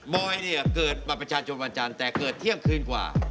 อยเนี่ยเกิดบัตรประชาชนวันจันทร์แต่เกิดเที่ยงคืนกว่า